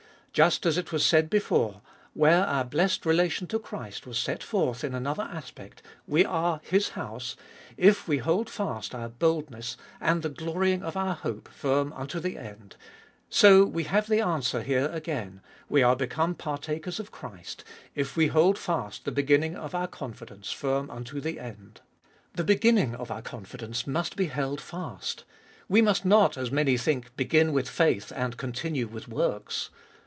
Just as it was said before, where our blessed relation to Christ was set forth in another aspect, we are His house, if we hold fast our boldness and the glorying of our hope firm unto the end, so we have the answer here again :" We are become partakers of Christ, if we hold fast the beginning of our confidence firm unto the end." The beginning of our confidence must be held fast. We must not, as many think, begin with faith, and continue with works.